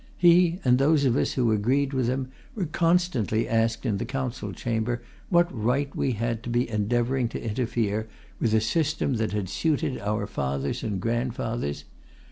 He, and those of us who agreed with him, were constantly asked in the Council Chamber what right we had to be endeavouring to interfere with a system that had suited our fathers and grandfathers?